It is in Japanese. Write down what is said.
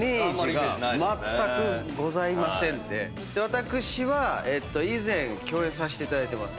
私は以前共演させていただいてます。